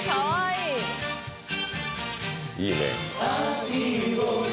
いいね！